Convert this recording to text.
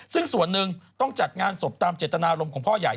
ซึ่งส่วนหนึ่งต้องจัดงานศพตามเจตนารมณ์ของพ่อใหญ่